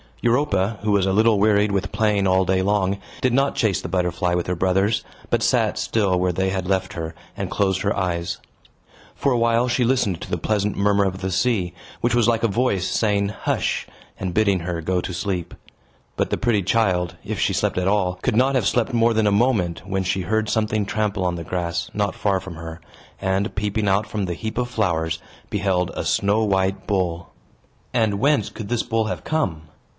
Europa, who was a little wearied with playing all day long, did not chase the butterfly with her brothers, but sat still where they had left her, and closed her eyes. For a while, she listened to the pleasant murmur of the sea, which was like a voice saying "Hush!" and bidding her go to sleep. But the pretty child, if she slept at all, could not have slept more than a moment, when she heard something trample on the grass, not far from her, and, peeping out from the heap of flowers, beheld a snow white bull. And whence could this bull have come?